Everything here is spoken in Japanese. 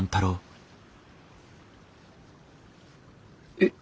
えっ？